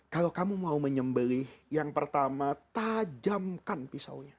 kalau kamu mau menyembelih yang pertama tajamkan pisaunya